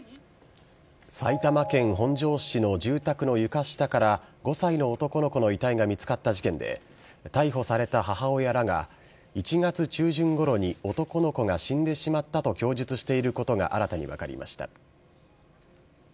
埼玉県本庄市の住宅の床下から、５歳の男の子の遺体が見つかった事件で、逮捕された母親らが１月中旬ごろに男の子が死んでしまったと供述していることが、新たに分かりました。